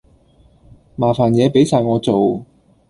麻煩野俾哂我做